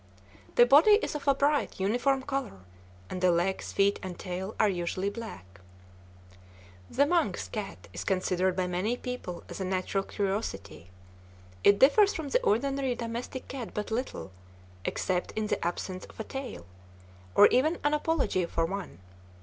The body is of a bright, uniform color, and the legs, feet, and tail are usually black. The Manx cat is considered by many people as a natural curiosity. It differs from the ordinary domestic cat but little, except in the absence of a tail, or even an apology for one.